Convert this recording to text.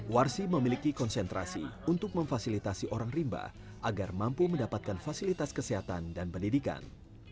warsi memiliki konsentrasi untuk memfasilitasi orang rimba agar mampu mendapatkan fasilitas kesehatan dan pendidikan